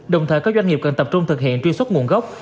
đồng thời các doanh nghiệp cần tập trung thực hiện truy xuất nguồn gốc